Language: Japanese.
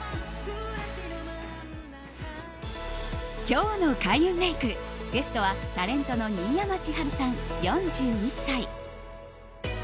今日の開運メイクゲストはタレントの新山千春さん、４１歳。